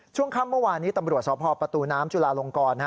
ช่วงค่ำเมื่อวานนี้ตำรวจสพประตูน้ำจุลาลงกร